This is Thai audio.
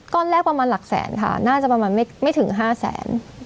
แรกประมาณหลักแสนค่ะน่าจะประมาณไม่ถึง๕แสน